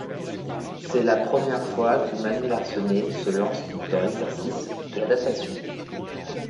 C'est la première fois que Manu Larcenet se lance dans l'exercice de l'adaptation.